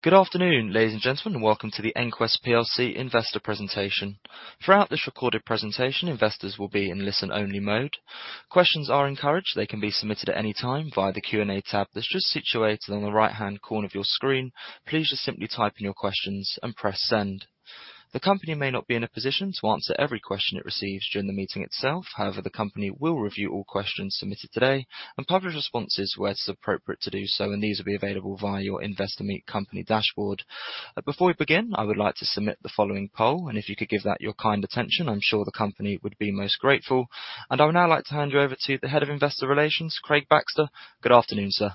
Good afternoon, ladies and gentlemen, and welcome to the EnQuest PLC investor presentation. Throughout this recorded presentation, investors will be in listen-only mode. Questions are encouraged. They can be submitted at any time via the Q&A tab that's just situated on the right-hand corner of your screen. Please just simply type in your questions and press Send. The company may not be in a position to answer every question it receives during the meeting itself. However, the company will review all questions submitted today and publish responses where it is appropriate to do so, and these will be available via your Investor Meet Company dashboard. Before we begin, I would like to submit the following poll, and if you could give that your kind attention, I'm sure the company would be most grateful. I would now like to hand you over to the Head of Investor Relations, Craig Baxter. Good afternoon, sir.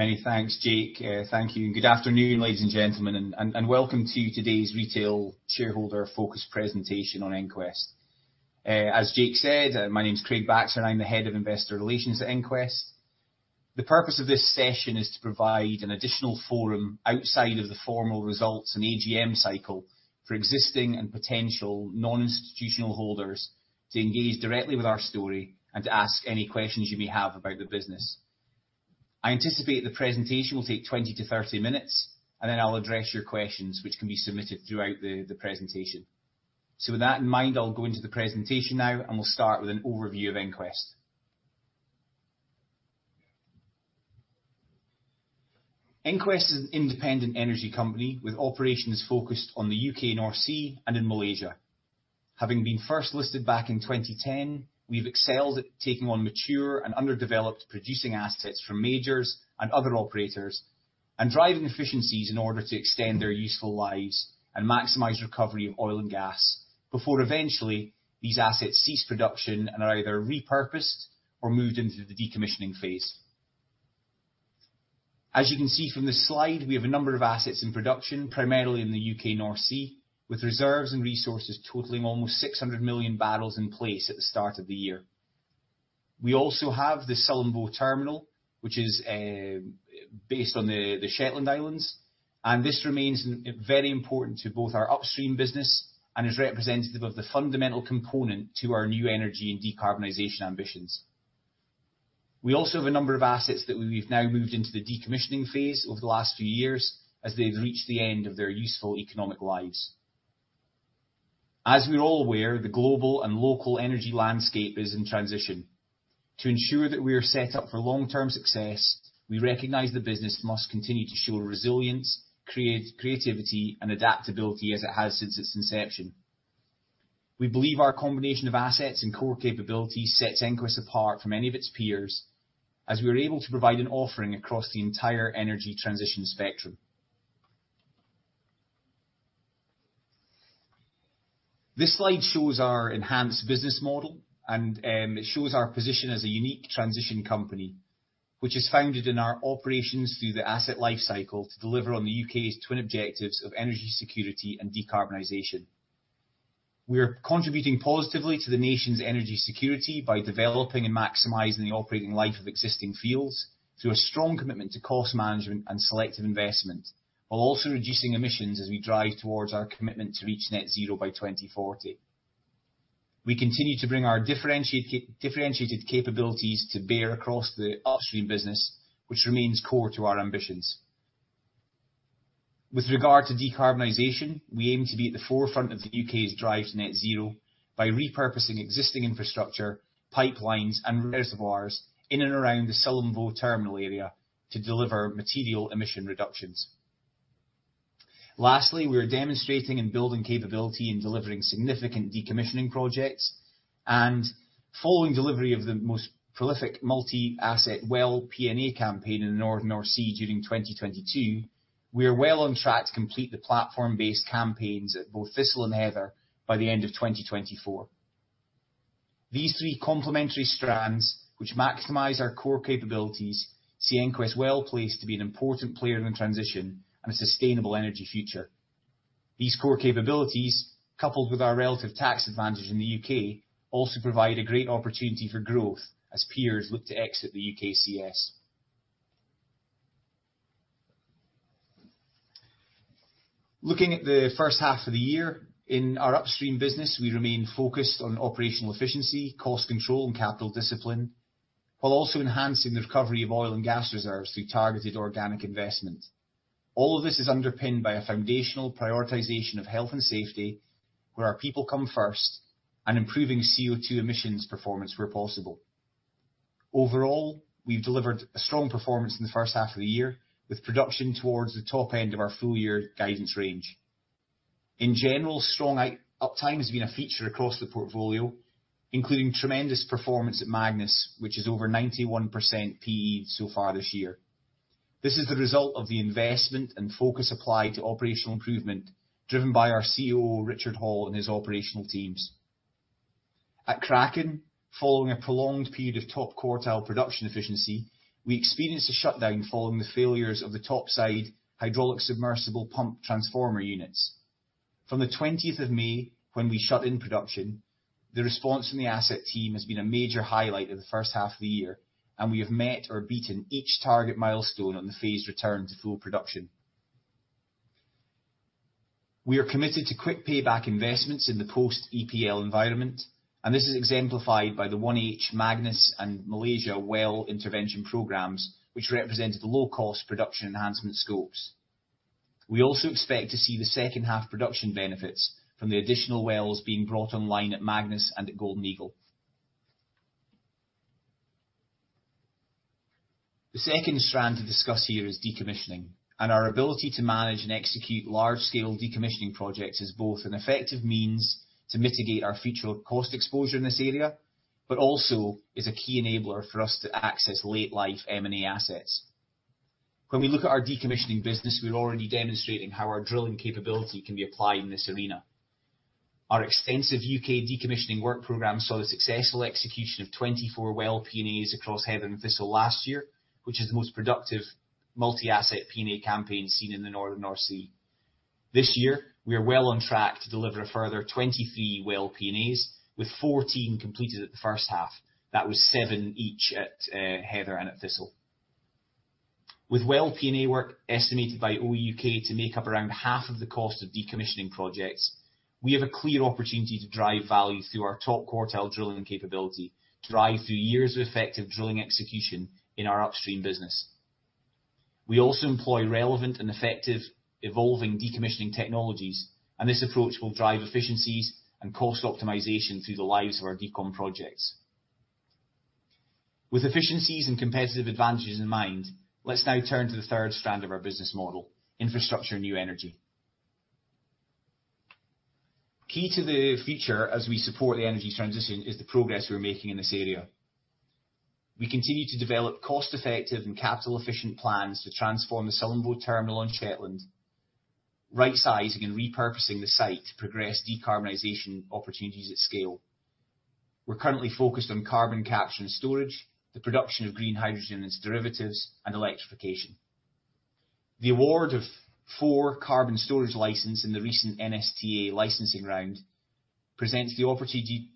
Many thanks, Jake. Thank you, and good afternoon, ladies and gentlemen, and welcome to today's retail shareholder focus presentation on EnQuest. As Jake said, my name is Craig Baxter, and I'm the head of investor relations at EnQuest. The purpose of this session is to provide an additional forum outside of the formal results and AGM cycle for existing and potential non-institutional holders to engage directly with our story and to ask any questions you may have about the business. I anticipate the presentation will take 20-30 minutes, and then I'll address your questions, which can be submitted throughout the presentation. So with that in mind, I'll go into the presentation now, and we'll start with an overview of EnQuest. EnQuest is an independent energy company with operations focused on the U.K., North Sea, and in Malaysia. Having been first listed back in 2010, we've excelled at taking on mature and underdeveloped producing assets from majors and other operators, and driving efficiencies in order to extend their useful lives and maximize recovery of oil and gas. Before eventually, these assets cease production and are either repurposed or moved into the decommissioning phase. As you can see from this slide, we have a number of assets in production, primarily in the U.K. North Sea, with reserves and resources totaling almost 600 million barrels in place at the start of the year. We also have the Sullom Voe Terminal, which is based on the Shetland Islands, and this remains very important to both our upstream business and is representative of the fundamental component to our new energy and decarbonization ambitions. We also have a number of assets that we've now moved into the decommissioning phase over the last few years as they've reached the end of their useful economic lives. As we're all aware, the global and local energy landscape is in transition. To ensure that we are set up for long-term success, we recognize the business must continue to show resilience, create creativity, and adaptability as it has since its inception. We believe our combination of assets and core capabilities sets EnQuest apart from any of its peers, as we are able to provide an offering across the entire energy transition spectrum. This slide shows our enhanced business model, and it shows our position as a unique transition company, which is founded in our operations through the asset lifecycle to deliver on the U.K.'s twin objectives of energy security and decarbonization. We are contributing positively to the nation's energy security by developing and maximizing the operating life of existing fields through a strong commitment to cost management and selective investment, while also reducing emissions as we drive towards our commitment to reach Net Zero by 2040. We continue to bring our differentiated capabilities to bear across the upstream business, which remains core to our ambitions. With regard to decarbonization, we aim to be at the forefront of the U.K.'s drive to Net Zero by repurposing existing infrastructure, pipelines, and reservoirs in and around the Sullom Voe Terminal area to deliver material emission reductions. Lastly, we are demonstrating and building capability in delivering significant decommissioning projects, and following delivery of the most prolific multi-asset well P&A campaign in the Northern North Sea during 2022, we are well on track to complete the platform-based campaigns at both Thistle and Heather by the end of 2024. These three complementary strands, which maximize our core capabilities, see EnQuest well-placed to be an important player in the transition and a sustainable energy future. These core capabilities, coupled with our relative tax advantage in the U.K., also provide a great opportunity for growth as peers look to exit the UKCS. Looking at the first half of the year, in our upstream business, we remain focused on operational efficiency, cost control, and capital discipline, while also enhancing the recovery of oil and gas reserves through targeted organic investment. All of this is underpinned by a foundational prioritization of health and safety, where our people come first, and improving CO2 emissions performance where possible. Overall, we've delivered a strong performance in the first half of the year, with production towards the top end of our full year guidance range. In general, strong uptime has been a feature across the portfolio, including tremendous performance at Magnus, which is over 91% PE so far this year. This is the result of the investment and focus applied to operational improvement, driven by our COO, Richard Hall, and his operational teams. At Kraken, following a prolonged period of top-quartile production efficiency, we experienced a shutdown following the failures of the topside hydraulic submersible pump transformer units. From the 20th of May, when we shut in production, the response from the asset team has been a major highlight of the first half of the year, and we have met or beaten each target milestone on the phased return to full production. We are committed to quick payback investments in the post-EPL environment, and this is exemplified by the 1H Magnus and Malaysia well intervention programs, which represented the low-cost production enhancement scopes. We also expect to see the second half production benefits from the additional wells being brought online at Magnus and at Golden Eagle. The second strand to discuss here is decommissioning, and our ability to manage and execute large-scale decommissioning projects is both an effective means to mitigate our future cost exposure in this area, but also is a key enabler for us to access late life M&A assets. When we look at our decommissioning business, we're already demonstrating how our drilling capability can be applied in this arena. Our extensive U.K. decommissioning work program saw the successful execution of 24 well P&As across Heather and Thistle last year, which is the most productive multi-asset P&A campaign seen in the northern North Sea. This year, we are well on track to deliver a further 23 well P&As, with 14 completed at the first half. That was seven each at Heather and at Thistle. With well P&A work estimated by OEUK to make up around half of the cost of decommissioning projects, we have a clear opportunity to drive value through our top-quartile drilling capability, drive through years of effective drilling execution in our upstream business. We also employ relevant and effective evolving decommissioning technologies, and this approach will drive efficiencies and cost optimization through the lives of our decom projects. With efficiencies and competitive advantages in mind, let's now turn to the third strand of our business model, infrastructure and new energy. Key to the future as we support the energy transition is the progress we're making in this area. We continue to develop cost-effective and capital-efficient plans to transform the Sullom Voe Terminal on Shetland, right-sizing and repurposing the site to progress decarbonization opportunities at scale. We're currently focused on carbon capture and storage, the production of green hydrogen and its derivatives, and electrification. The award of four carbon storage licenses in the recent NSTA licensing round presents the opportunity,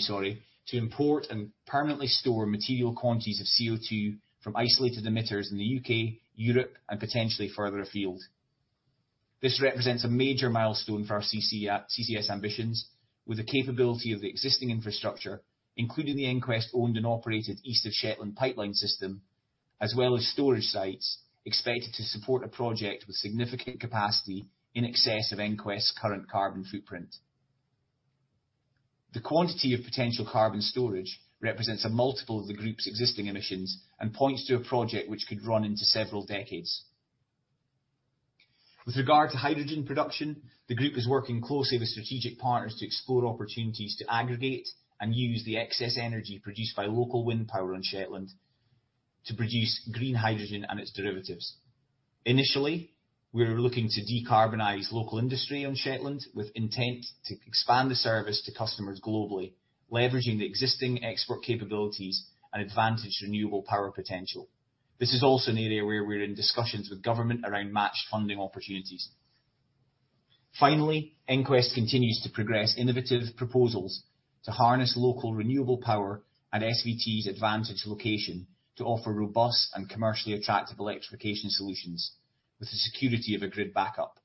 sorry, to import and permanently store material quantities of CO2 from isolated emitters in the U.K., Europe, and potentially further afield. This represents a major milestone for our CCS ambitions, with the capability of the existing infrastructure, including the EnQuest-owned and operated east of Shetland pipeline system, as well as storage sites expected to support a project with significant capacity in excess of EnQuest's current carbon footprint. The quantity of potential carbon storage represents a multiple of the group's existing emissions and points to a project which could run into several decades. With regard to hydrogen production, the group is working closely with strategic partners to explore opportunities to aggregate and use the excess energy produced by local wind power on Shetland to produce green hydrogen and its derivatives. Initially, we're looking to decarbonize local industry on Shetland, with intent to expand the service to customers globally, leveraging the existing export capabilities and advantageous renewable power potential. This is also an area where we're in discussions with government around matched funding opportunities. Finally, EnQuest continues to progress innovative proposals to harness local renewable power and SVT's advantageous location to offer robust and commercially attractive electrification solutions with the security of a grid backup.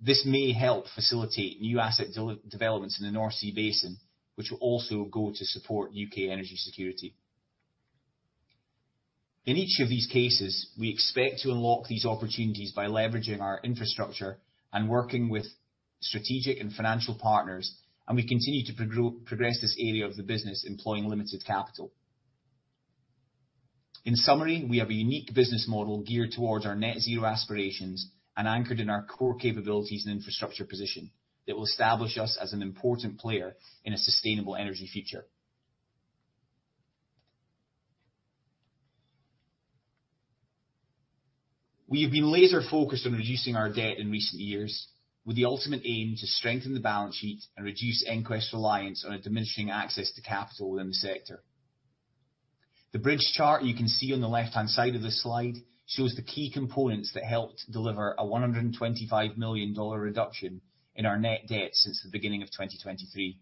This may help facilitate new asset developments in the North Sea basin, which will also go to support UK energy security. In each of these cases, we expect to unlock these opportunities by leveraging our infrastructure and working with strategic and financial partners, and we continue to progress this area of the business, employing limited capital. In summary, we have a unique business model geared towards our Net Zero aspirations and anchored in our core capabilities and infrastructure position that will establish us as an important player in a sustainable energy future. We have been laser focused on reducing our debt in recent years, with the ultimate aim to strengthen the balance sheet and reduce EnQuest's reliance on a diminishing access to capital in the sector. The bridge chart you can see on the left-hand side of this slide shows the key components that helped deliver a $125 million reduction in our net debt since the beginning of 2023.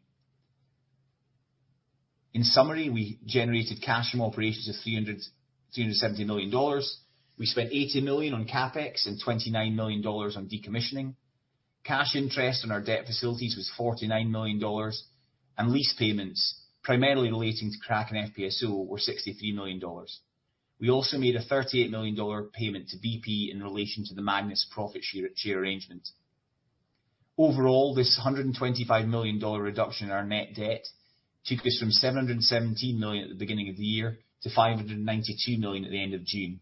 In summary, we generated cash from operations of $370 million. We spent $80 million on CapEx and $29 million on decommissioning. Cash interest on our debt facilities was $49 million, and lease payments, primarily relating to Kraken FPSO, were $63 million. We also made a $38 million payment to BP in relation to the Magnus profit share, share arrangement. Overall, this $125 million reduction in our net debt took us from $717 million at the beginning of the year to $592 million at the end of June.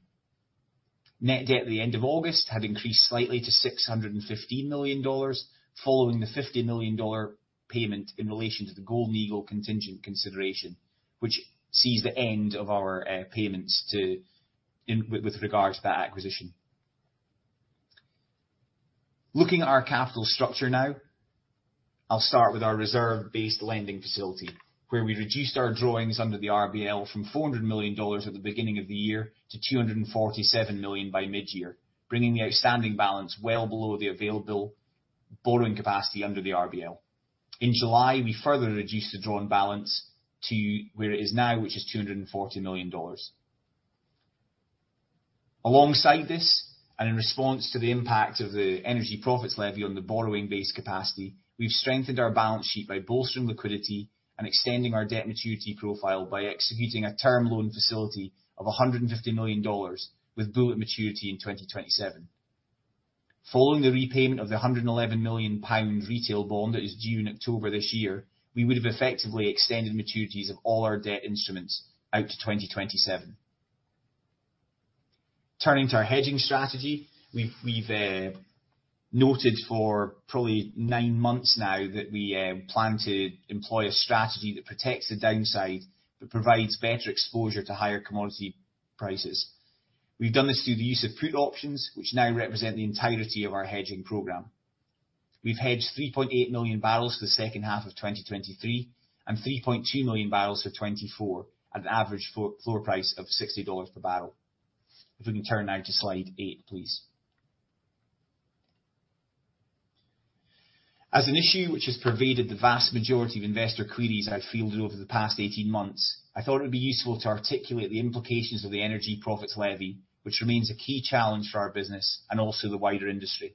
Net debt at the end of August had increased slightly to $615 million, following the $50 million payment in relation to the Golden Eagle contingent consideration, which sees the end of our payments with regards to that acquisition. Looking at our capital structure now, I'll start with our reserve-based lending facility, where we reduced our drawings under the RBL from $400 million at the beginning of the year to $247 million by mid-year, bringing the outstanding balance well below the available borrowing capacity under the RBL. In July, we further reduced the drawn balance to where it is now, which is $240 million. Alongside this, and in response to the impact of the energy profits levy on the borrowing base capacity, we've strengthened our balance sheet by bolstering liquidity and extending our debt maturity profile by executing a term loan facility of $150 million with bullet maturity in 2027. Following the repayment of the GBP 111 million retail bond that is due in October this year, we would have effectively extended maturities of all our debt instruments out to 2027. Turning to our hedging strategy, we've noted for probably nine months now that we plan to employ a strategy that protects the downside, but provides better exposure to higher commodity prices. We've done this through the use of put options, which now represent the entirety of our hedging program. We've hedged 3.8 million barrels for the second half of 2023, and 3.2 million barrels for 2024 at an average floor, floor price of $60 per barrel. If we can turn now to slide eight, please. As an issue which has pervaded the vast majority of investor queries I've fielded over the past 18 months, I thought it would be useful to articulate the implications of the energy profits levy, which remains a key challenge for our business and also the wider industry.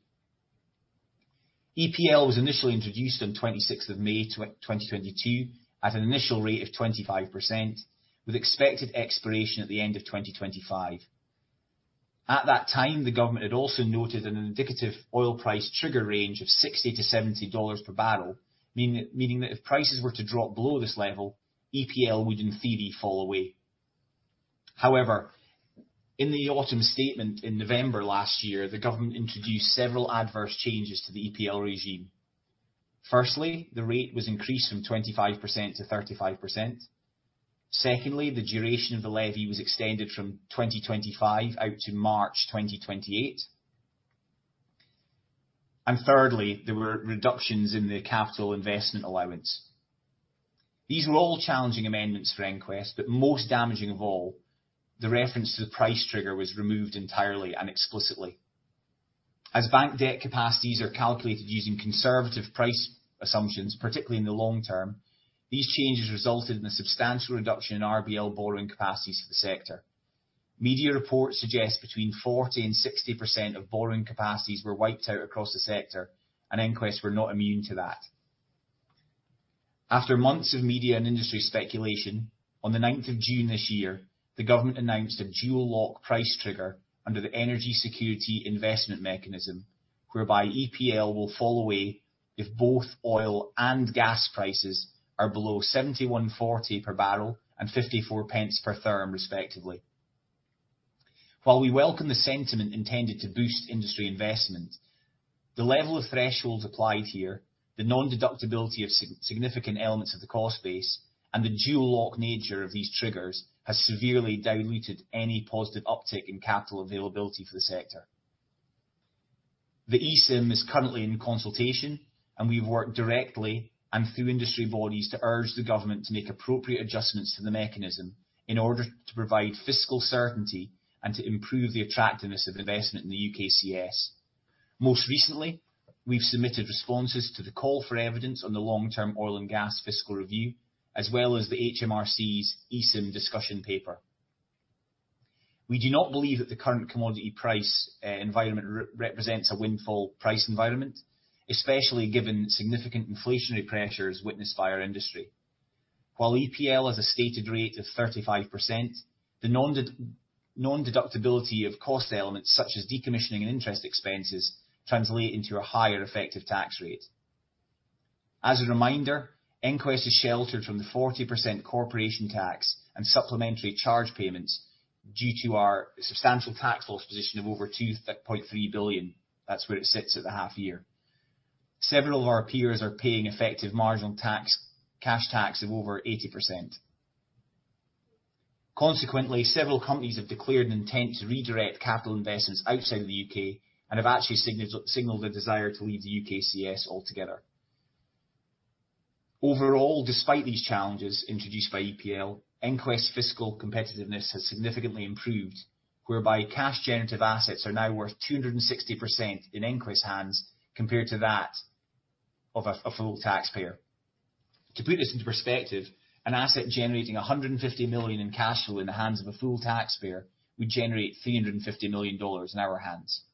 EPL was initially introduced on 26th of May, 2022, at an initial rate of 25%, with expected expiration at the end of 2025. At that time, the government had also noted an indicative oil price trigger range of $60-$70 per barrel, meaning that if prices were to drop below this level, EPL would, in theory, fall away. However, in the Autumn Statement in November last year, the government introduced several adverse changes to the EPL regime. Firstly, the rate was increased from 25%-35%. Secondly, the duration of the levy was extended from 2025 out to March 2028. And thirdly, there were reductions in the capital investment allowance. These were all challenging amendments for EnQuest, but most damaging of all, the reference to the price trigger was removed entirely and explicitly. As bank debt capacities are calculated using conservative price assumptions, particularly in the long term, these changes resulted in a substantial reduction in RBL borrowing capacities for the sector. Media reports suggest between 40% and 60% of borrowing capacities were wiped out across the sector, and EnQuest were not immune to that. After months of media and industry speculation, on the ninth of June this year, the government announced a dual lock price trigger under the Energy Security Investment Mechanism, whereby EPL will fall away if both oil and gas prices are below $71.40 per barrel and 0.54 per therm, respectively. While we welcome the sentiment intended to boost industry investment, the level of thresholds applied here, the non-deductibility of significant elements of the cost base, and the dual lock nature of these triggers, has severely diluted any positive uptick in capital availability for the sector. The ESIM is currently in consultation, and we've worked directly and through industry bodies to urge the government to make appropriate adjustments to the mechanism in order to provide fiscal certainty and to improve the attractiveness of investment in the UKCS. Most recently, we've submitted responses to the call for evidence on the long-term oil and gas fiscal review, as well as the HMRC's ESIM discussion paper. We do not believe that the current commodity price environment represents a windfall price environment, especially given significant inflationary pressures witnessed by our industry. While EPL has a stated rate of 35%, the non-deductibility of cost elements such as decommissioning and interest expenses translate into a higher effective tax rate. As a reminder, EnQuest is sheltered from the 40% corporation tax and supplementary charge payments due to our substantial tax loss position of over $2.3 billion. That's where it sits at the half year. Several of our peers are paying effective marginal tax, cash tax of over 80%. Consequently, several companies have declared an intent to redirect capital investments outside the U.K. and have actually signaled a desire to leave the UKCS altogether. Overall, despite these challenges introduced by EPL, EnQuest's fiscal competitiveness has significantly improved, whereby cash generative assets are now worth 260% in EnQuest's hands compared to that of a full taxpayer. To put this into perspective, an asset generating $150 million in cash flow in the hands of a full taxpayer would generate $350 million in our hands.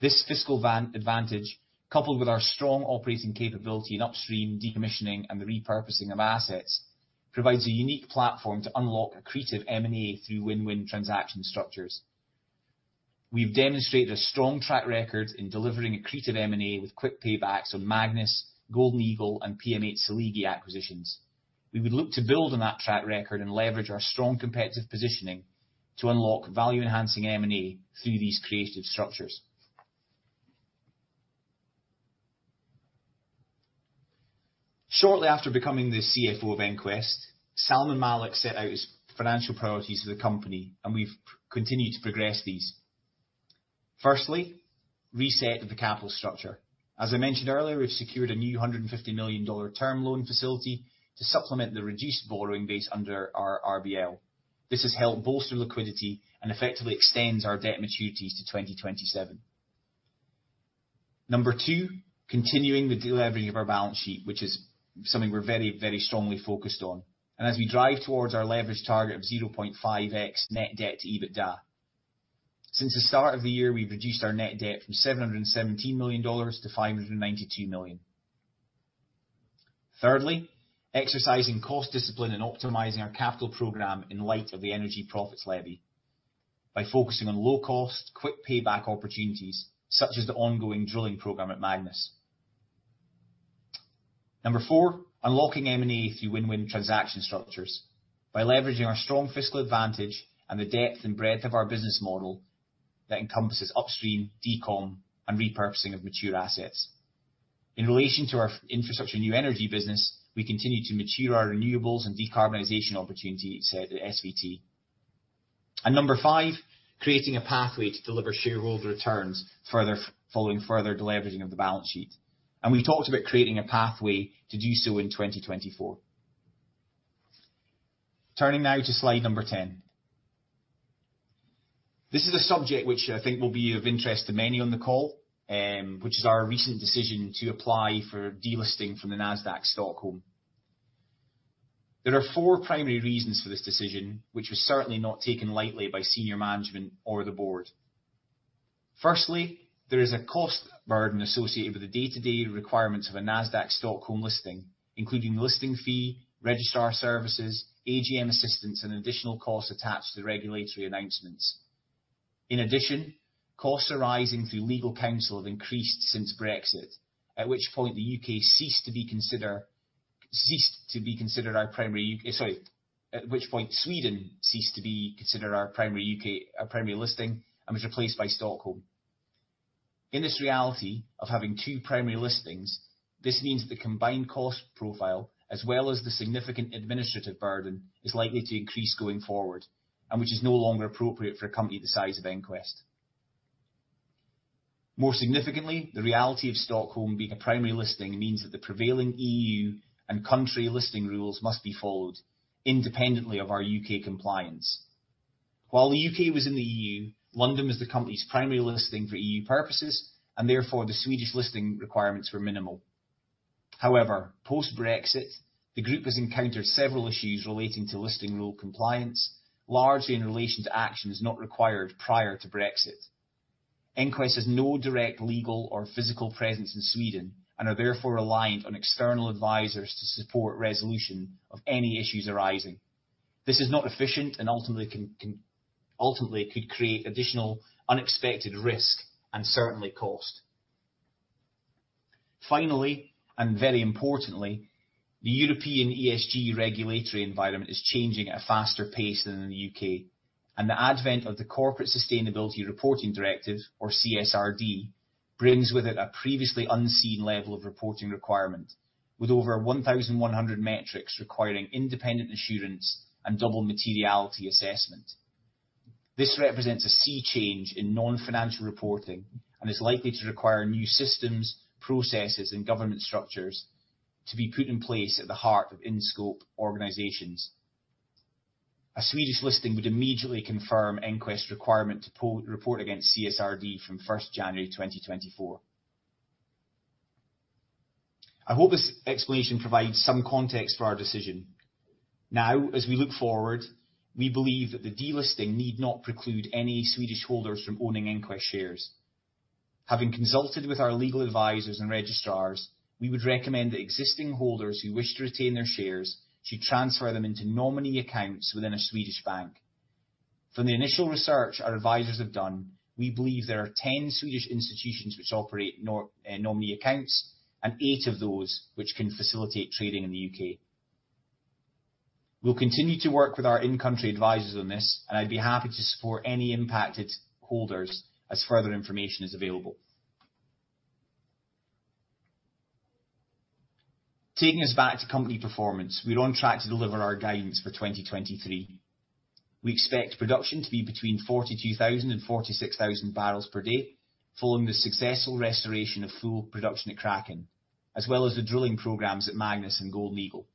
This fiscal advantage, coupled with our strong operating capability in upstream decommissioning and the repurposing of assets, provides a unique platform to unlock accretive M&A through win-win transaction structures. We've demonstrated a strong track record in delivering accretive M&A with quick paybacks on Magnus, Golden Eagle, and PM8 Seligi acquisitions. We would look to build on that track record and leverage our strong competitive positioning to unlock value-enhancing M&A through these creative structures. Shortly after becoming the CFO of EnQuest, Salman Malik set out his financial priorities for the company, and we've continued to progress these. Firstly, reset of the capital structure. As I mentioned earlier, we've secured a new $150 million term loan facility to supplement the reduced borrowing base under our RBL. This has helped bolster liquidity and effectively extends our debt maturities to 2027. Number two, continuing the delevering of our balance sheet, which is something we're very, very strongly focused on, and as we drive towards our leverage target of 0.5x net debt to EBITDA. Since the start of the year, we've reduced our net debt from $717 million-$592 million. Thirdly, exercising cost discipline and optimizing our capital program in light of the energy profits levy by focusing on low cost, quick payback opportunities, such as the ongoing drilling program at Magnus. Number four, unlocking M&A through win-win transaction structures by leveraging our strong fiscal advantage and the depth and breadth of our business model that encompasses upstream, decon, and repurposing of mature assets. In relation to our infrastructure new energy business, we continue to mature our renewables and decarbonization opportunities at SVT. Number five, creating a pathway to deliver shareholder returns further, following further deleveraging of the balance sheet. We talked about creating a pathway to do so in 2024. Turning now to slide 10. This is a subject which I think will be of interest to many on the call, which is our recent decision to apply for delisting from the Nasdaq Stockholm. There are four primary reasons for this decision, which was certainly not taken lightly by senior management or the board. Firstly, there is a cost burden associated with the day-to-day requirements of a Nasdaq Stockholm listing, including listing fee, registrar services, AGM assistance, and additional costs attached to the regulatory announcements. In addition, costs arising through legal counsel have increased since Brexit, at which point the U.K. ceased to be considered our primary U.K. Sorry, at which point Sweden ceased to be considered our primary U.K., our primary listing, and was replaced by Stockholm. In this reality of having two primary listings, this means that the combined cost profile, as well as the significant administrative burden, is likely to increase going forward, and which is no longer appropriate for a company the size of EnQuest. More significantly, the reality of Stockholm being a primary listing means that the prevailing EU and country listing rules must be followed independently of our U.K. compliance. While the U.K. was in the EU, London was the company's primary listing for EU purposes, and therefore the Swedish listing requirements were minimal. However, post-Brexit, the group has encountered several issues relating to listing rule compliance, largely in relation to actions not required prior to Brexit. EnQuest has no direct legal or physical presence in Sweden and are therefore reliant on external advisors to support resolution of any issues arising. This is not efficient and ultimately could create additional unexpected risk and certainly cost. Finally, and very importantly, the European ESG regulatory environment is changing at a faster pace than in the U.K., and the advent of the Corporate Sustainability Reporting Directive, or CSRD, brings with it a previously unseen level of reporting requirement, with over 1,100 metrics requiring independent assurance and double materiality assessment. This represents a sea change in non-financial reporting and is likely to require new systems, processes, and governance structures to be put in place at the heart of in-scope organizations. A Swedish listing would immediately confirm EnQuest's requirement to report against CSRD from January 1, 2024. I hope this explanation provides some context for our decision. Now, as we look forward, we believe that the delisting need not preclude any Swedish holders from owning EnQuest shares. Having consulted with our legal advisors and registrars, we would recommend that existing holders who wish to retain their shares should transfer them into nominee accounts within a Swedish bank. From the initial research our advisors have done, we believe there are 10 Swedish institutions which operate nominee accounts, and eight of those which can facilitate trading in the U.K. We'll continue to work with our in-country advisors on this, and I'd be happy to support any impacted holders as further information is available. Taking us back to company performance, we're on track to deliver our guidance for 2023. We expect production to be between 42,000 and 46,000 barrels per day, following the successful restoration of full production at Kraken, as well as the drilling programs at Magnus and Golden Eagle.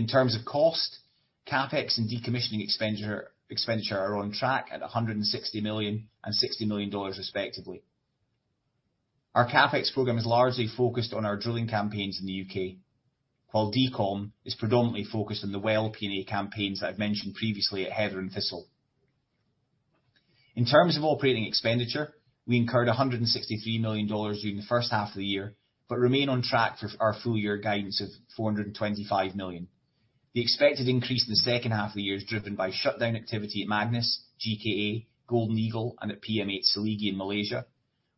In terms of cost, CapEx and decommissioning expenditure are on track at $160 million and $60 million respectively. Our CapEx program is largely focused on our drilling campaigns in the U.K., while Decom is predominantly focused on the well P&A campaigns that I've mentioned previously at Heather and Thistle. In terms of operating expenditure, we incurred $163 million during the first half of the year, but remain on track for our full year guidance of $425 million. The expected increase in the second half of the year is driven by shutdown activity at Magnus, GKA, Golden Eagle, and at PM8 Seligi in Malaysia.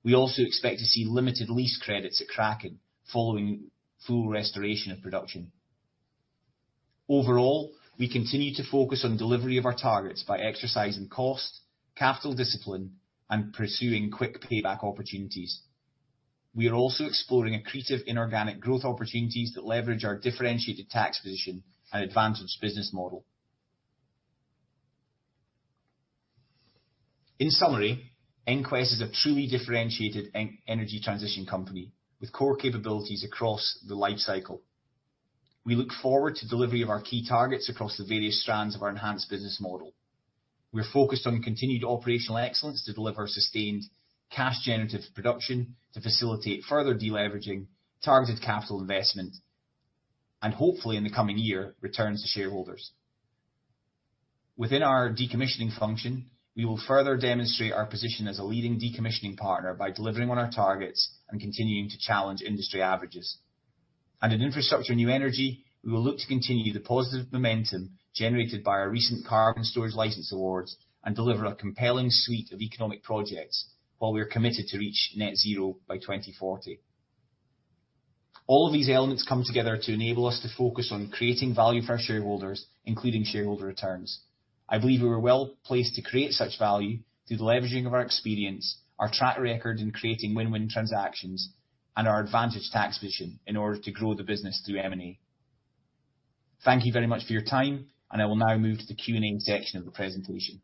We also expect to see limited lease credits at Kraken following full restoration of production. Overall, we continue to focus on delivery of our targets by exercising cost, capital discipline, and pursuing quick payback opportunities. We are also exploring accretive inorganic growth opportunities that leverage our differentiated tax position and advantage business model. In summary, EnQuest is a truly differentiated energy transition company with core capabilities across the life cycle. We look forward to delivery of our key targets across the various strands of our enhanced business model. We are focused on continued operational excellence to deliver sustained cash generative production, to facilitate further deleveraging, targeted capital investment, and hopefully, in the coming year, returns to shareholders. Within our decommissioning function, we will further demonstrate our position as a leading decommissioning partner by delivering on our targets and continuing to challenge industry averages. In infrastructure and new energy, we will look to continue the positive momentum generated by our recent carbon storage license awards and deliver a compelling suite of economic projects, while we are committed to reach Net Zero by 2040. All of these elements come together to enable us to focus on creating value for our shareholders, including shareholder returns. I believe we are well placed to create such value through the leveraging of our experience, our track record in creating win-win transactions, and our advantage tax position in order to grow the business through M&A. Thank you very much for your time, and I will now move to the Q&A section of the presentation.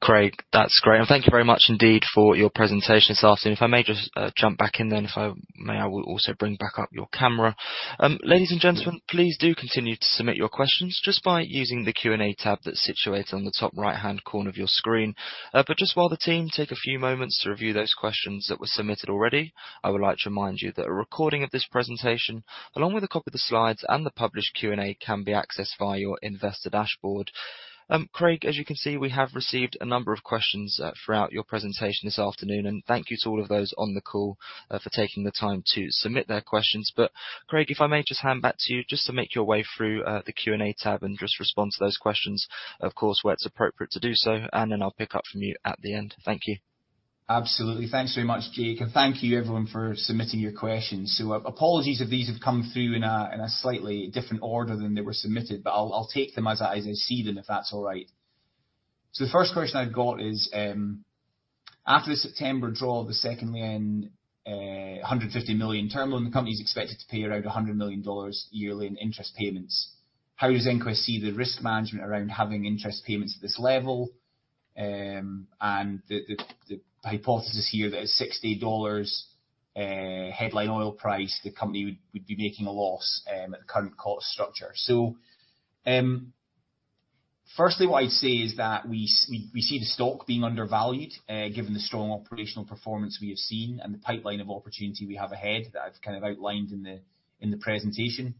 Craig, that's great, and thank you very much indeed for your presentation this afternoon. If I may just jump back in then, if I may, I will also bring back up your camera. Ladies and gentlemen, please do continue to submit your questions just by using the Q&A tab that's situated on the top right-hand corner of your screen. But just while the team take a few moments to review those questions that were submitted already, I would like to remind you that a recording of this presentation, along with a copy of the slides and the published Q&A, can be accessed via your investor dashboard. Craig, as you can see, we have received a number of questions throughout your presentation this afternoon, and thank you to all of those on the call for taking the time to submit their questions. But, Craig, if I may just hand back to you, just to make your way through, the Q&A tab and just respond to those questions, of course, where it's appropriate to do so, and then I'll pick up from you at the end. Thank you. Absolutely. Thanks very much, Jake, and thank you everyone for submitting your questions. So, apologies if these have come through in a slightly different order than they were submitted, but I'll take them as I see them, if that's all right. So the first question I've got is: After the September draw of the second lien, $150 million term loan, the company is expected to pay around $100 million yearly in interest payments. How does EnQuest see the risk management around having interest payments at this level? And the hypothesis here that at $60 headline oil price, the company would be making a loss, at the current cost structure. So, firstly, what I'd say is that we see the stock being undervalued, given the strong operational performance we have seen and the pipeline of opportunity we have ahead, that I've kind of outlined in the presentation.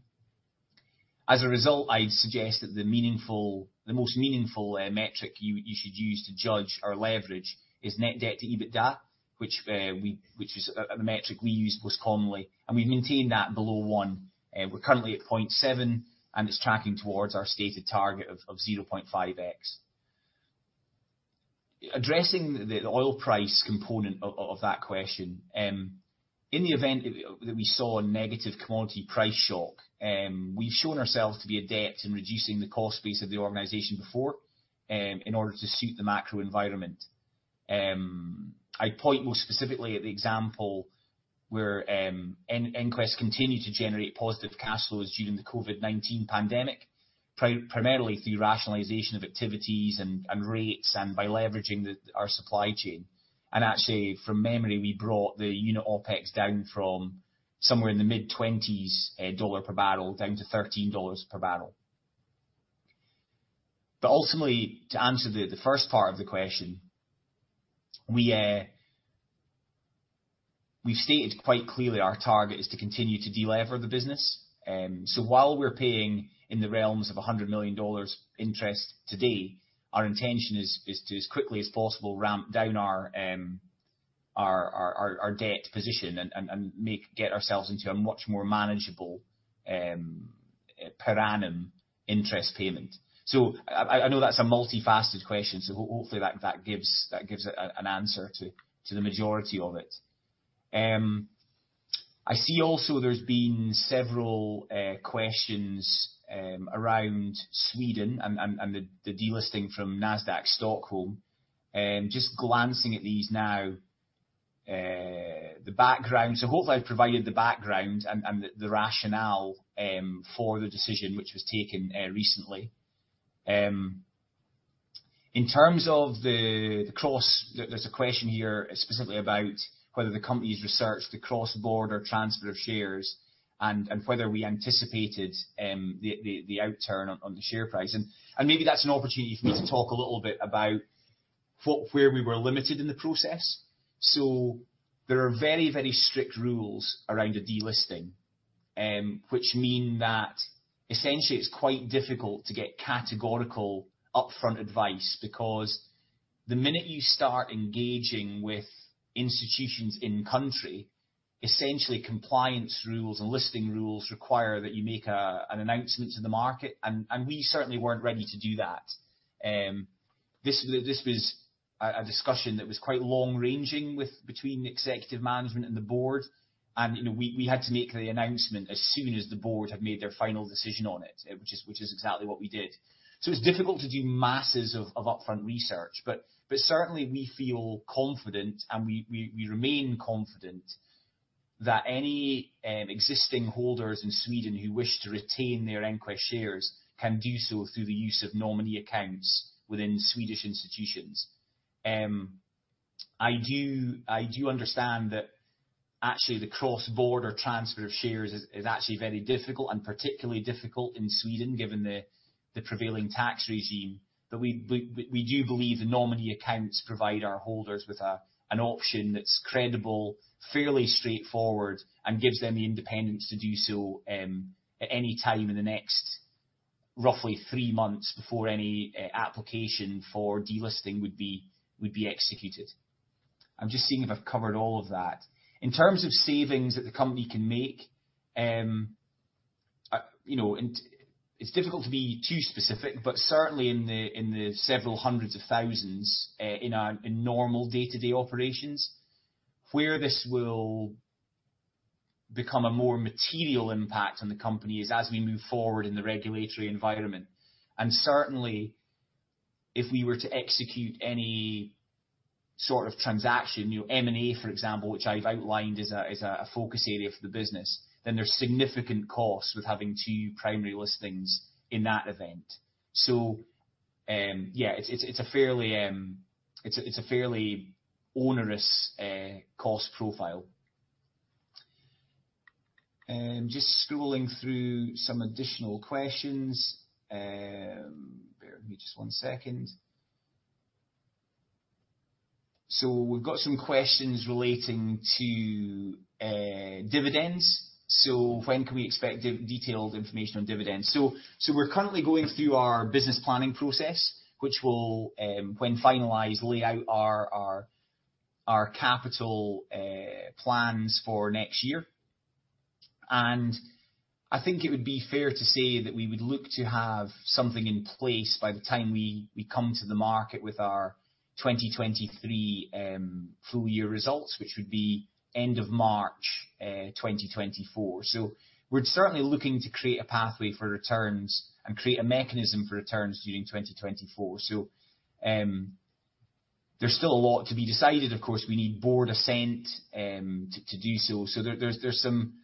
As a result, I'd suggest that the most meaningful metric you should use to judge our leverage is net debt to EBITDA, which is a metric we use most commonly, and we've maintained that below one. We're currently at 0.7, and it's tracking towards our stated target of 0.5x. Addressing the oil price component of that question, in the event that we saw a negative commodity price shock, we've shown ourselves to be adept in reducing the cost base of the organization before, in order to suit the macro environment. I'd point more specifically at the example where EnQuest continued to generate positive cash flows during the COVID-19 pandemic, primarily through rationalization of activities and rates and by leveraging our supply chain. And actually, from memory, we brought the unit OpEx down from somewhere in the mid-$20s per barrel, down to $13 per barrel. But ultimately, to answer the first part of the question, we've stated quite clearly our target is to continue to delever the business. So while we're paying in the realms of $100 million interest today, our intention is to, as quickly as possible, ramp down our debt position and get ourselves into a much more manageable per annum interest payment. So I know that's a multifaceted question, so hopefully that gives it an answer to the majority of it. I see also there's been several questions around Sweden and the delisting from Nasdaq Stockholm. Just glancing at these now, the background. So hopefully I've provided the background and the rationale for the decision which was taken recently. In terms of the cross, there's a question here specifically about whether the company's researched the cross-border transfer of shares and whether we anticipated the outturn on the share price. And maybe that's an opportunity for me to talk a little bit about what, where we were limited in the process. There are very, very strict rules around a delisting, which mean that essentially it's quite difficult to get categorical upfront advice, because the minute you start engaging with institutions in country, essentially compliance rules and listing rules require that you make an announcement to the market, and we certainly weren't ready to do that. This was a discussion that was quite long-ranging between the executive management and the board, and, you know, we had to make the announcement as soon as the board had made their final decision on it, which is exactly what we did. So it's difficult to do masses of upfront research, but certainly we feel confident, and we remain confident that any existing holders in Sweden who wish to retain their EnQuest shares can do so through the use of nominee accounts within Swedish institutions. I do understand that actually the cross-border transfer of shares is actually very difficult and particularly difficult in Sweden, given the prevailing tax regime. But we do believe the nominee accounts provide our holders with an option that's credible, fairly straightforward, and gives them the independence to do so at any time in the next roughly three months before any application for delisting would be executed. I'm just seeing if I've covered all of that. In terms of savings that the company can make, you know, and it's difficult to be too specific, but certainly in the several hundreds of thousands in our normal day-to-day operations. Where this will become a more material impact on the company is as we move forward in the regulatory environment. And certainly, if we were to execute any sort of transaction, you know, M&A, for example, which I've outlined as a focus area for the business, then there's significant costs with having two primary listings in that event. So, yeah, it's a fairly onerous cost profile. Just scrolling through some additional questions. Bear with me just one second. So we've got some questions relating to dividends. So when can we expect detailed information on dividends? So we're currently going through our business planning process, which will, when finalized, lay out our capital plans for next year. I think it would be fair to say that we would look to have something in place by the time we come to the market with our 2023 full year results, which would be end of March 2024. So we're certainly looking to create a pathway for returns and create a mechanism for returns during 2024. So, there's still a lot to be decided. Of course, we need board assent to do so. So there's some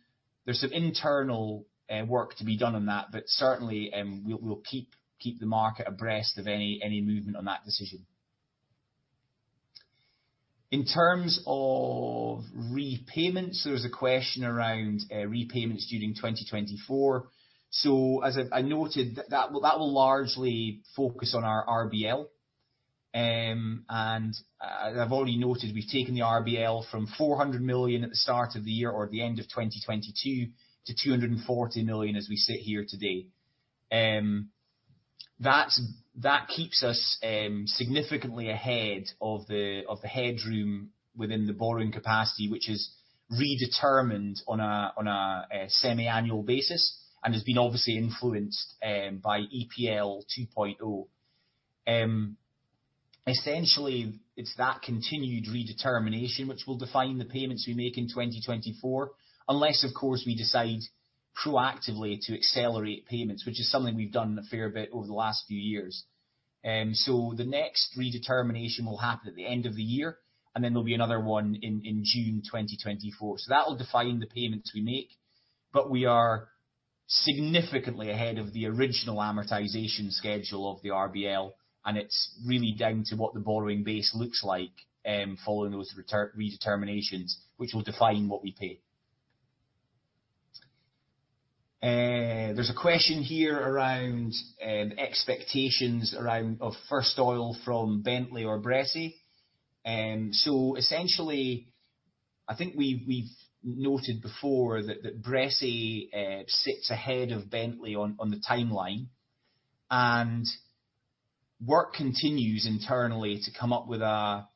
internal work to be done on that, but certainly, we'll keep the market abreast of any movement on that decision. In terms of repayments, there was a question around repayments during 2024. So as I noted, that will largely focus on our RBL. I've already noted, we've taken the RBL from $400 million at the start of the year, or the end of 2022, to $240 million as we sit here today. That keeps us significantly ahead of the headroom within the borrowing capacity, which is redetermined on a semiannual basis, and has been obviously influenced by EPL 2.0. Essentially, it's that continued redetermination which will define the payments we make in 2024, unless, of course, we decide proactively to accelerate payments, which is something we've done a fair bit over the last few years. The next redetermination will happen at the end of the year, and then there'll be another one in June 2024. So that will define the payments we make, but we are significantly ahead of the original amortization schedule of the RBL, and it's really down to what the borrowing base looks like, following those redeterminations, which will define what we pay. There's a question here around expectations around of first oil from Bentley or Bressay. So essentially, I think we've noted before that Bressay sits ahead of Bentley on the timeline, and work continues internally to come up with a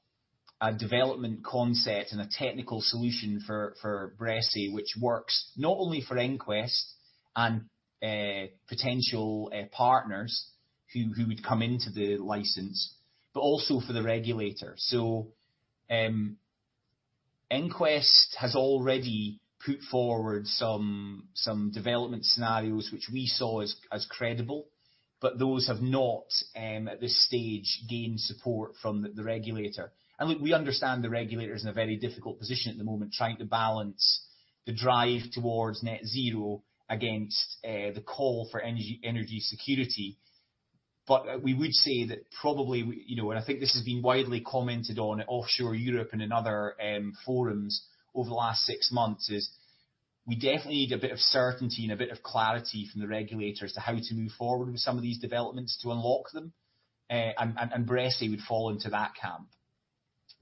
development concept and a technical solution for Bressay, which works not only for EnQuest and potential partners who would come into the license, but also for the regulator. So, EnQuest has already put forward some development scenarios which we saw as credible, but those have not, at this stage, gained support from the regulator. And look, we understand the regulator is in a very difficult position at the moment, trying to balance the drive towards Net Zero against the call for energy security. But, we would say that probably, you know, and I think this has been widely commented on at Offshore Europe and in other forums over the last six months, is we definitely need a bit of certainty and a bit of clarity from the regulators to how to move forward with some of these developments to unlock them, and Bressay would fall into that camp.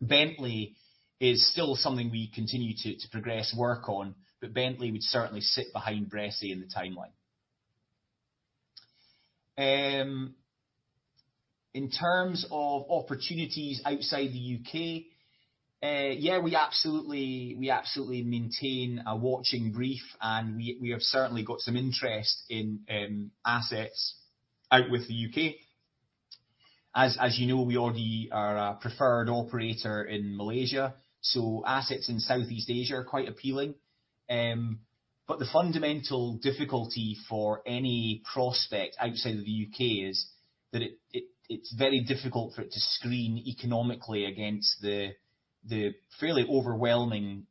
Bentley is still something we continue to progress work on, but Bentley would certainly sit behind Bressay in the timeline. In terms of opportunities outside the U.K., yeah, we absolutely, we absolutely maintain a watching brief, and we, we have certainly got some interest in assets out with the U.K. As, as you know, we already are a preferred operator in Malaysia, so assets in Southeast Asia are quite appealing. But the fundamental difficulty for any prospect outside of the U.K. is that it, it, it's very difficult for it to screen economically against the fairly overwhelming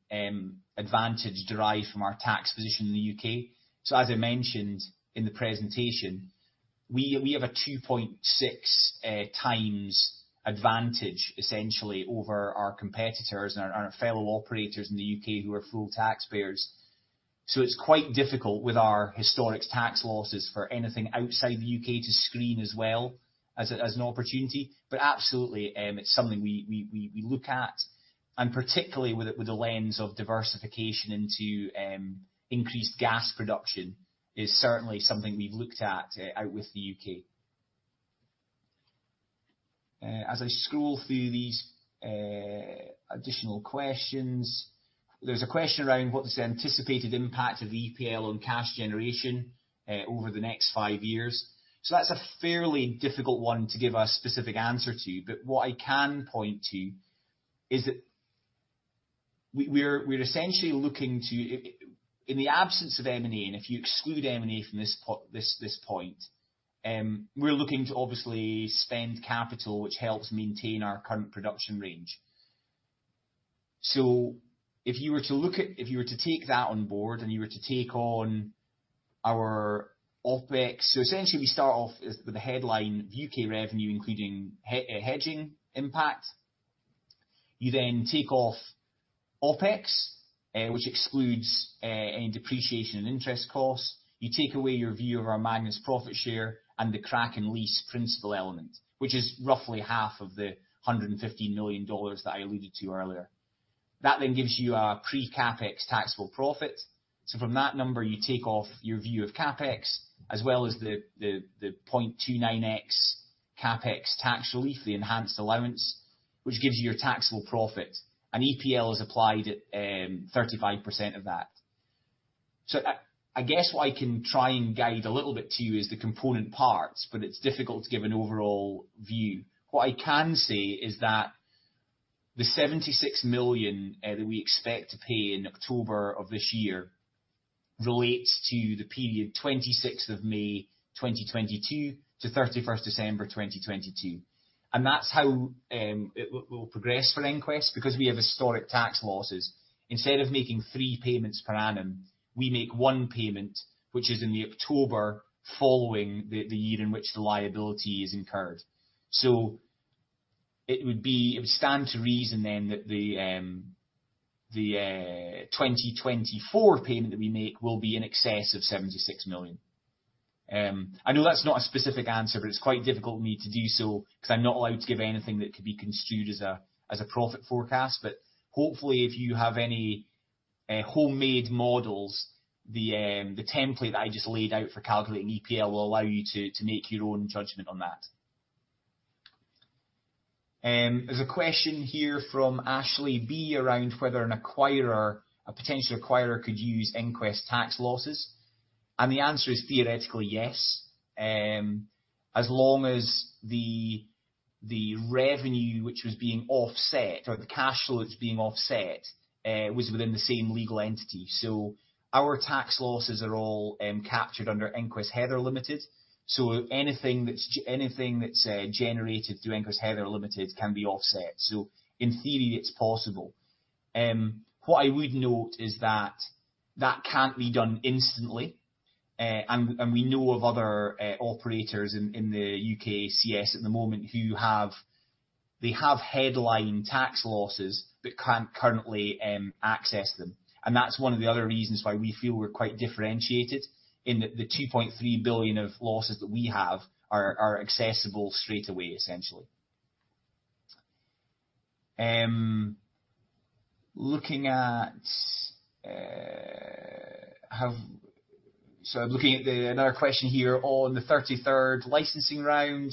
advantage derived from our tax position in the U.K. So as I mentioned in the presentation, we, we have a 2.6x advantage essentially over our competitors and our fellow operators in the U.K. who are full taxpayers. So it's quite difficult with our historic tax losses for anything outside the U.K. to screen as well as an opportunity. But absolutely, it's something we look at, and particularly with the lens of diversification into increased gas production, is certainly something we've looked at out with the U.K. As I scroll through these additional questions, there's a question around what is the anticipated impact of EPL on cash generation over the next five years? So that's a fairly difficult one to give a specific answer to, but what I can point to is that we're essentially looking to in the absence of M&A, and if you exclude M&A from this point, we're looking to obviously spend capital, which helps maintain our current production range. So if you were to take that on board, and you were to take on our OpEx. So essentially, we start off with the headline UK revenue, including hedging impact. You then take off OpEx, which excludes any depreciation and interest costs. You take away your view of our Magnus profit share and the Kraken Lease principal element, which is roughly half of the $150 million that I alluded to earlier. That then gives you our pre-CapEx taxable profit. So from that number, you take off your view of CapEx, as well as the 0.29x CapEx tax relief, the enhanced allowance, which gives you your taxable profit, and EPL is applied at 35% of that. So I guess what I can try and guide a little bit to you is the component parts, but it's difficult to give an overall view. What I can say is that the 76 million that we expect to pay in October of this year relates to the period 26th of May 2022 to 31st December 2022. And that's how it will progress for EnQuest because we have historic tax losses. Instead of making three payments per annum, we make one payment, which is in the October following the year in which the liability is incurred. So it would stand to reason then that the 2024 payment that we make will be in excess of 76 million. I know that's not a specific answer, but it's quite difficult for me to do so because I'm not allowed to give anything that could be construed as a profit forecast. But hopefully, if you have any homemade models, the template that I just laid out for calculating EPL will allow you to make your own judgment on that. There's a question here from Ashley B around whether an acquirer, a potential acquirer, could use EnQuest tax losses, and the answer is theoretically yes. As long as the revenue which was being offset or the cash flow that's being offset was within the same legal entity. So our tax losses are all captured under EnQuest Heather Limited, so anything that's generated through EnQuest Heather Limited can be offset. So in theory, it's possible. What I would note is that that can't be done instantly. And we know of other operators in the UKCS at the moment who have... They have headline tax losses but can't currently access them. And that's one of the other reasons why we feel we're quite differentiated, in that the $2.3 billion of losses that we have are accessible straight away, essentially. So I'm looking at another question here on the 33rd licensing round,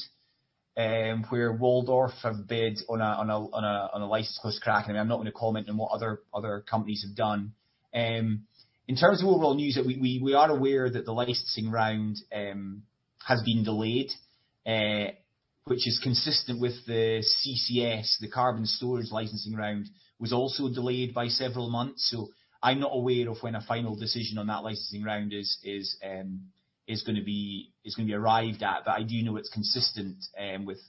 where Waldorf have bid on a license close to Kraken, and I'm not going to comment on what other companies have done. In terms of overall news, we are aware that the licensing round has been delayed, which is consistent with the CCS. The carbon storage licensing round was also delayed by several months, so I'm not aware of when a final decision on that licensing round is gonna be arrived at, but I do know it's consistent with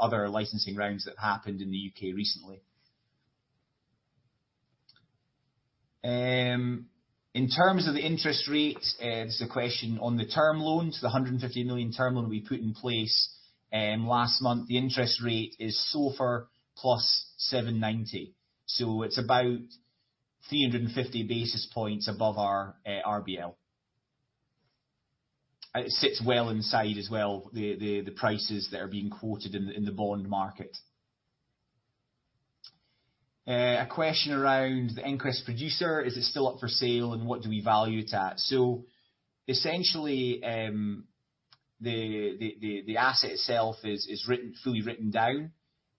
other licensing rounds that happened in the U.K. recently. In terms of the interest rate, this is a question on the term loans, the $150 million term loan we put in place last month. The interest rate is SOFR +790, so it's about 350 basis points above our RBL. It sits well inside as well the prices that are being quoted in the bond market. A question around the EnQuest Producer: Is it still up for sale, and what do we value it at? So essentially, the asset itself is fully written down,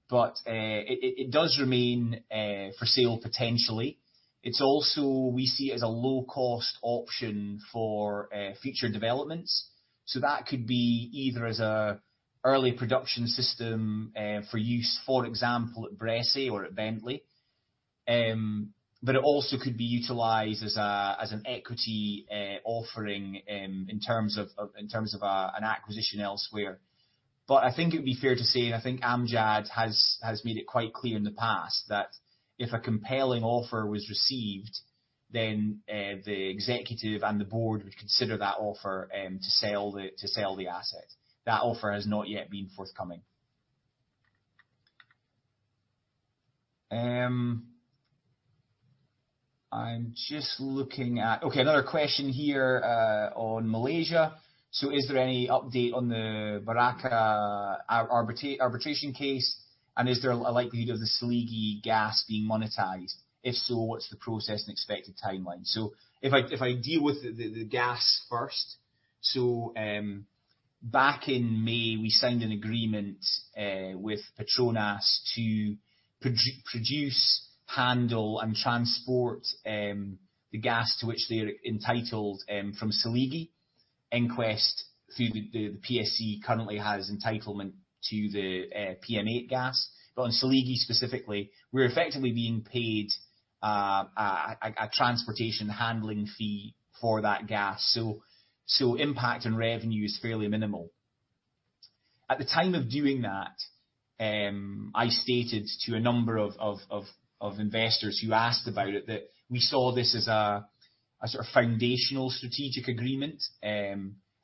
but it does remain for sale potentially. It's also... We see it as a low-cost option for future developments. So that could be either as an early production system for use, for example, at Bressay or at Bentley. But it also could be utilized as an equity offering in terms of an acquisition elsewhere. But I think it would be fair to say, and I think Amjad has made it quite clear in the past, that if a compelling offer was received, then the executive and the board would consider that offer to sell the asset. That offer has not yet been forthcoming. I'm just looking at... Okay, another question here on Malaysia. "So is there any update on the Barakah arbitration case? And is there a likelihood of the Seligi gas being monetized? If so, what's the process and expected timeline?" So if I deal with the gas first. So back in May, we signed an agreement with Petronas to produce, handle, and transport the gas to which they're entitled from Seligi. EnQuest, through the PSC, currently has entitlement to the PM8 gas. But on Seligi specifically, we're effectively being paid a transportation handling fee for that gas. So impact on revenue is fairly minimal. At the time of doing that, I stated to a number of investors who asked about it, that we saw this as a sort of foundational strategic agreement.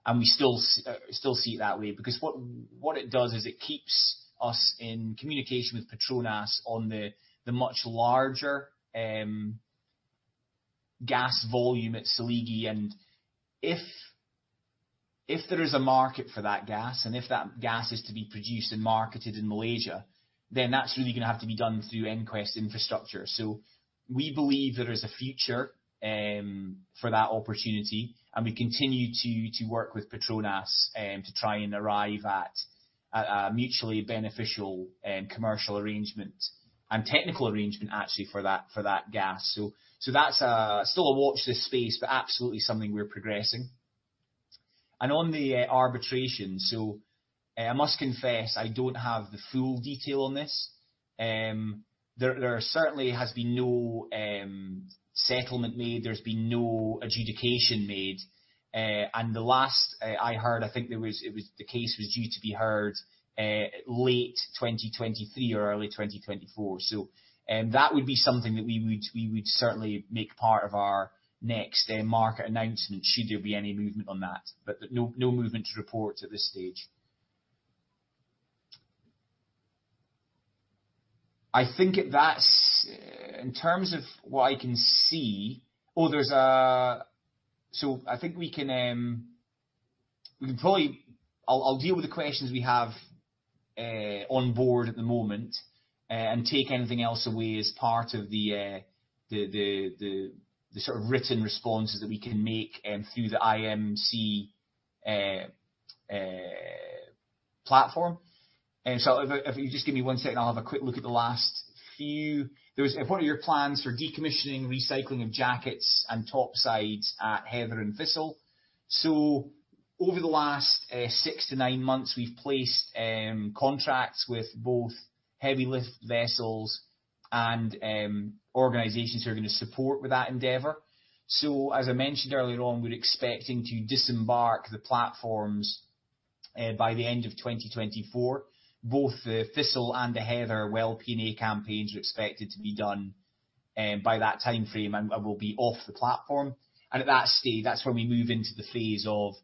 And we still see it that way, because what it does is it keeps us in communication with Petronas on the much larger gas volume at Seligi. And if there is a market for that gas, and if that gas is to be produced and marketed in Malaysia, then that's really gonna have to be done through EnQuest infrastructure. So we believe there is a future for that opportunity, and we continue to work with Petronas to try and arrive at a mutually beneficial commercial arrangement and technical arrangement, actually, for that gas. So that's still a watch this space, but absolutely something we're progressing. And on the arbitration, so I must confess, I don't have the full detail on this. There certainly has been no settlement made. There's been no adjudication made. And the last I heard, I think the case was due to be heard late 2023 or early 2024. So, that would be something that we would certainly make part of our next market announcement, should there be any movement on that. But no, no movement to report at this stage. I think that's... In terms of what I can see. So I think we can probably... I'll deal with the questions we have on board at the moment, and take anything else away as part of the sort of written responses that we can make through the IMC platform. So if, if you just give me one second, I'll have a quick look at the last few. There is: "What are your plans for decommissioning, recycling of jackets and topsides at Heather and Thistle?" So over the last, six to nine months, we've placed, contracts with both heavy lift vessels and, organizations who are gonna support with that endeavor. So as I mentioned earlier on, we're expecting to disembark the platforms, by the end of 2024. Both the Thistle and the Heather well P&A campaigns are expected to be done, by that timeframe and will be off the platform. And at that stage, that's when we move into the phase of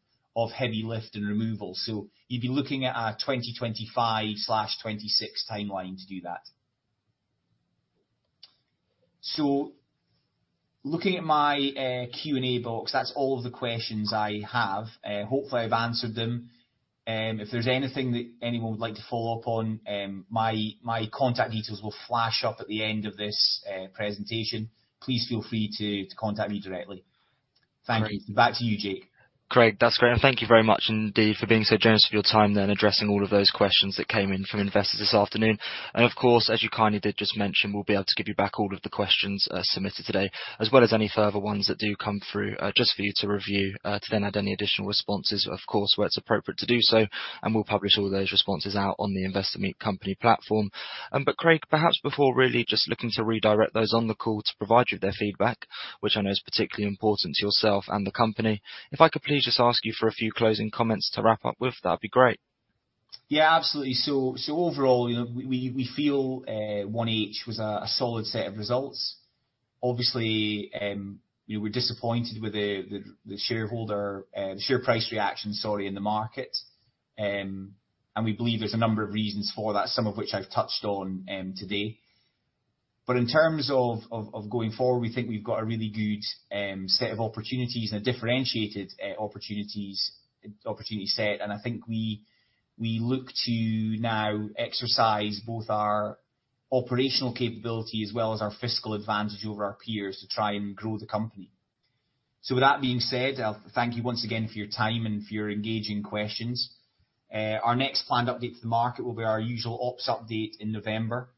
heavy lift and removal. So you'd be looking at a 2025/2026 timeline to do that. So looking at my Q&A box, that's all of the questions I have. Hopefully, I've answered them. If there's anything that anyone would like to follow up on, my contact details will flash up at the end of this presentation. Please feel free to contact me directly. Thank you. Great. Back to you, Jake. Craig, that's great, and thank you very much indeed for being so generous with your time then, addressing all of those questions that came in from investors this afternoon. Of course, as you kindly did just mention, we'll be able to give you back all of the questions submitted today, as well as any further ones that do come through, just for you to review, to then add any additional responses, of course, where it's appropriate to do so, and we'll publish all those responses out on the Investor Meet Company platform. Craig, perhaps before really just looking to redirect those on the call to provide you with their feedback, which I know is particularly important to yourself and the company, if I could please just ask you for a few closing comments to wrap up with, that'd be great. Yeah, absolutely. So overall, you know, we feel 1H was a solid set of results. Obviously, we were disappointed with the share price reaction, sorry, in the market. And we believe there's a number of reasons for that, some of which I've touched on today. But in terms of going forward, we think we've got a really good set of opportunities and a differentiated opportunity set. And I think we look to now exercise both our operational capability, as well as our fiscal advantage over our peers to try and grow the company. So with that being said, thank you once again for your time and for your engaging questions. Our next planned update for the market will be our usual ops update in November.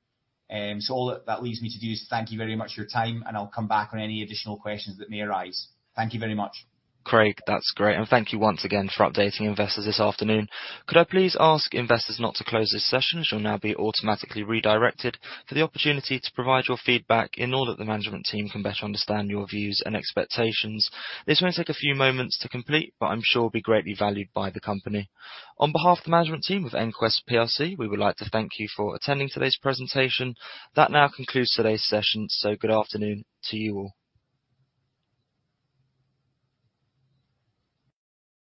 So all that, that leaves me to do is thank you very much for your time, and I'll come back on any additional questions that may arise. Thank you very much. Craig, that's great, and thank you once again for updating investors this afternoon. Could I please ask investors not to close this session, as you'll now be automatically redirected, for the opportunity to provide your feedback in order that the management team can better understand your views and expectations. This may take a few moments to complete, but I'm sure will be greatly valued by the company. On behalf of the management team of EnQuest PLC, we would like to thank you for attending today's presentation. That now concludes today's session, so good afternoon to you all.